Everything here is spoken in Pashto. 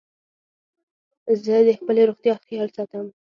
زه د خپلي روغتیا خیال ساتم.